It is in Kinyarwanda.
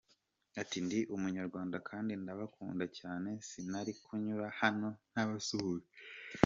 Ati” Ndi umunyarwanda kandi ndabakunda cyane, sinari kunyura hano ntabasuhuje”.